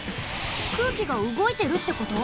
空気がうごいてるってこと？